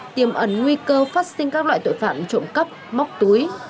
tiềm ẩn nguy cơ phát sinh các loại tội phạm trộm cắp móc túi